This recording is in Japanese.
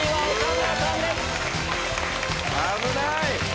危ない！